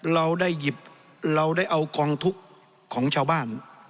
เราได้หยิบเราได้เอากองทุกข์ของชาวบ้าน